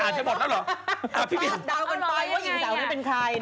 คาดดาวกันไปว่าหญิงสาวนี้เป็นใคร